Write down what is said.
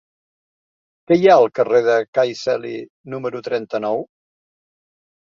Què hi ha al carrer de Cai Celi número trenta-nou?